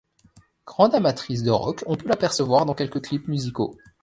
Grande amatrice de rock, on peut l'apercevoir dans quelques clips musicaux.